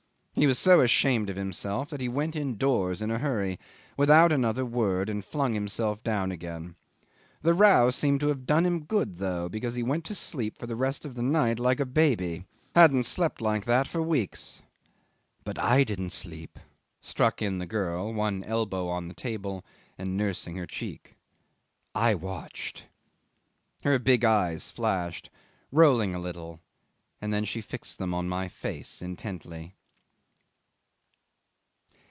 He was so ashamed of himself that he went indoors in a hurry without another word, and flung himself down again. The row seemed to have done him good though, because he went to sleep for the rest of the night like a baby. Hadn't slept like that for weeks. "But I didn't sleep," struck in the girl, one elbow on the table and nursing her cheek. "I watched." Her big eyes flashed, rolling a little, and then she fixed them on my face intently.